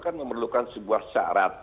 kan memerlukan sebuah syarat